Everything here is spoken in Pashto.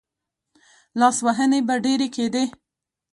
لاسوهنې به ډېرې کېدې.